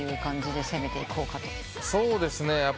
そうですね。